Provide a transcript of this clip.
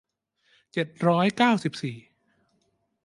เจ็ดร้อยเก้าสิบสี่